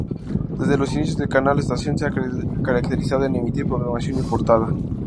Desde los inicios del canal, la estación se ha caracterizado en emitir programación importada.